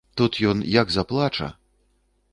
Тут ён як заплача!